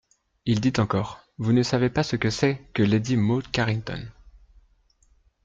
Il dit encore : «Vous ne savez pas ce que c'est que lady Maud Carington.